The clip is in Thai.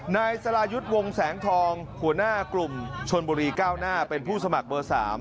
นายสรายุทธ์วงแสงทองหัวหน้ากลุ่มชนบุรีก้าวหน้าเป็นผู้สมัครเบอร์๓